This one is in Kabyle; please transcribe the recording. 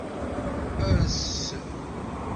Urss